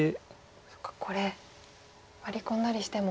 そっかこれワリ込んだりしても。